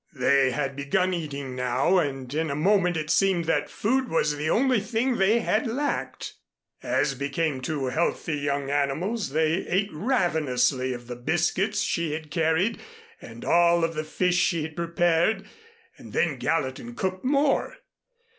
They had begun eating now, and in a moment it seemed that food was the only thing they had lacked. As became two healthy young animals, they ate ravenously of the biscuits she had carried and all of the fish she had prepared, and then Gallatin cooked more.